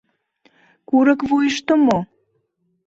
— Курык вуйышто мо?